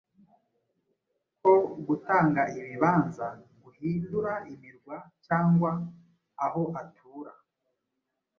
ko "gutanga ibibanza guhindura imirwa cyangwa aho atura